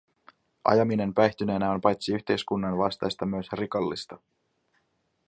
Ajaminen päihtyneenä on paitsi yhteiskunnan vastaista myös rikollista.